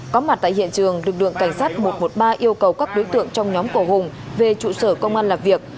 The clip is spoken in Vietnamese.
có mặt tại hiện trường lực lượng cảnh sát một trăm một mươi ba yêu cầu các đối tượng trong nhóm của hùng về trụ sở công an làm việc